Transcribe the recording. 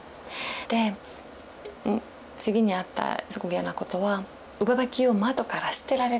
で次にあったすごい嫌なことは上履きを窓から捨てられたんです